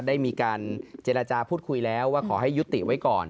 ได้มีการเจรจาพูดคุยแล้วว่าขอให้ยุติไว้ก่อน